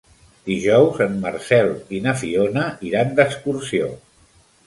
Dijous en Marcel i na Fiona iran d'excursió.